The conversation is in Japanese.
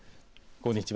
こんにちは。